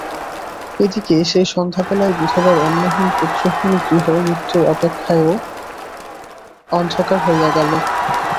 এদিকে সেই সন্ধ্যাবেলায় বিধবার অন্নহীন পুত্রহীন গৃহ মৃত্যুর অপেক্ষাও অন্ধকার হইয়া গেল।